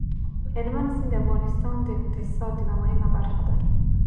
هلمند سیند د افغانستان د اقتصاد یوه مهمه برخه ده.